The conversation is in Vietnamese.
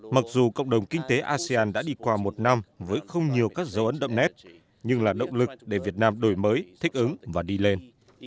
mặc dù cộng đồng kinh tế asean đã đi qua một năm với không nhiều các dấu ấn đậm nét nhưng là động lực để việt nam đổi mới thích ứng và đi lên